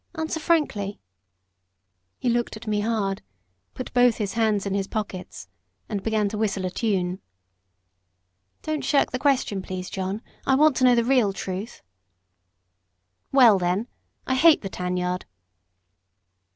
Answer frankly." He looked at me hard, put both his hands in his pockets, and began to whistle a tune. "Don't shirk the question, please, John. I want to know the real truth." "Well, then, I hate the tan yard."